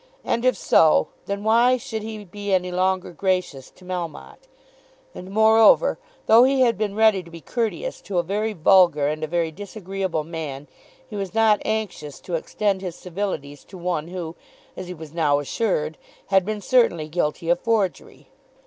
And if so, then why should he be any longer gracious to Melmotte? And, moreover, though he had been ready to be courteous to a very vulgar and a very disagreeable man, he was not anxious to extend his civilities to one who, as he was now assured, had been certainly guilty of forgery.